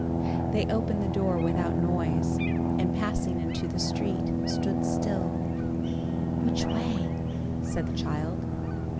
They opened the door without noise, and passing into the street, stood still. "Which way?" said the child.